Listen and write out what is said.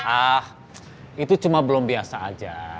ah itu cuma belum biasa aja